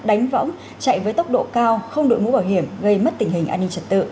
đánh võng chạy với tốc độ cao không đội mũ bảo hiểm gây mất tình hình an ninh trật tự